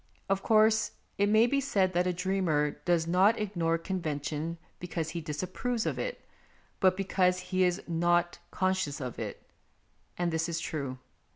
Of course, it may be said that a dreamer does not ignore convention because he dis approves of it, but because he is not con scious of it ; and this is true.